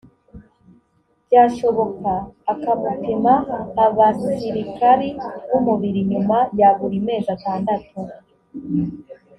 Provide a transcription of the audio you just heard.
byashoboka akamupima abasirikari b umubiri nyuma ya buri mezi atandatu